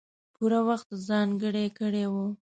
پوره وخت ځانګړی کړی وو.